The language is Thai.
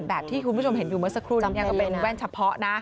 แบบที่คุณผู้ชมเห็นอยู่เมื่อสักครู่นี้ก็เป็นแว่นเฉพาะนะ